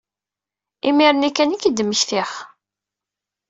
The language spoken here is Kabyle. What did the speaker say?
Imir-nni kan ay k-id-mmektiɣ.